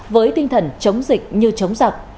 với tinh thần chống dịch như chống giặc